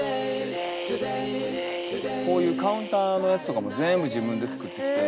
こういうカウンターのやつとかも全部自分で作ってきて。